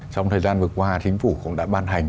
trong thời gian vừa qua chính phủ cũng đã ban hành